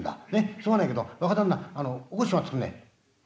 すまないけど若旦那起こしちまってくんねえ」。